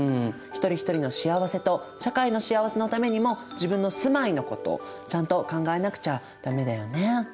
一人一人の幸せと社会の幸せのためにも自分の住まいのことちゃんと考えなくちゃ駄目だよね。